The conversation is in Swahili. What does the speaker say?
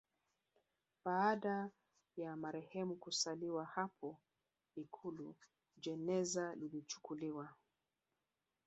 Baada ya marehemu kusaliwa hapo Ikulu jeneza lilichukuliwa